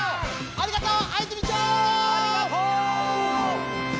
ありがとう！